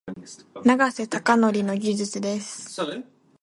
永瀬貴規の技術です。